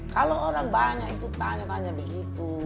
kalau orang banyak itu tanya tanya begitu